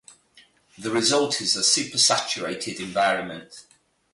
The result is a supersaturated environment.